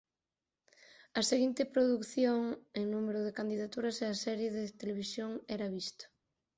A seguinte produción en número de candidaturas é a serie de televisión "Era visto!